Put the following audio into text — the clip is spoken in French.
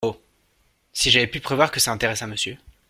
Oh ! si j’avais pu prévoir que ça intéressât Monsieur.